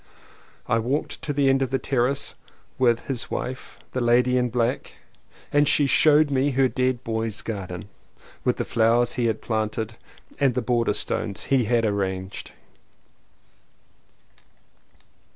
I walked to the end of the terrace with his wife — the lady in black — and she showed me her dead boy's garden, with the flowers he had planted and the border stones he had arranged.